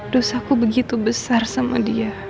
dosaku begitu besar sama dia